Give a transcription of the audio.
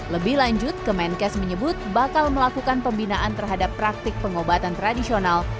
lebih lanjut kemenkes menyebut bakal melakukan pembinaan terhadap praktik pengobatan tradisional